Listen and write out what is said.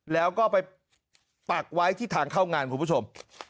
แล้วก็ไปปักไว้ที่ทางเข้างานคุณผู้ชม